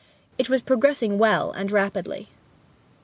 It was progressing well, and rapidly.